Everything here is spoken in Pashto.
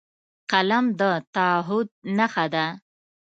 قلم د تعهد نښه ده